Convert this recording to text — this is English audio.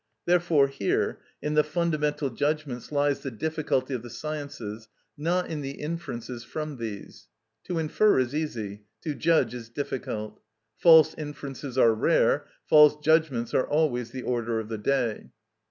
Therefore here, in the fundamental judgments, lies the difficulty of the sciences, not in the inferences from these. To infer is easy, to judge is difficult. False inferences are rare, false judgments are always the order of the day.